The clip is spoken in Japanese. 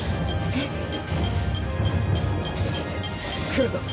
来るぞ。